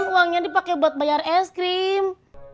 uangnya dipakai buat bayar es krim